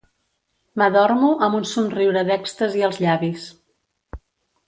M'adormo amb un somriure d'èxtasi als llavis.